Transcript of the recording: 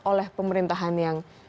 oleh pemerintahan yang